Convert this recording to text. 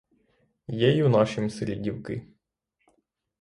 Є й у нашім селі дівки.